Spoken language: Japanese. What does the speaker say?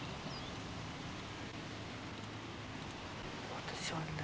私はね。